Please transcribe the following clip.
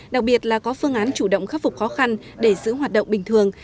đặc biệt là có phương án chủ động khắc phục khó khăn để giữ hoạt động bình thường